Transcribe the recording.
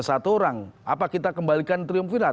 satu orang apa kita kembalikan triumvirat